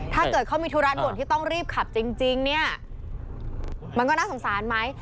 ถ้าเกิดเขามีธุระด่วนที่ต้องรีบขับจริงเนี่ยมันก็น่าสงสารไหม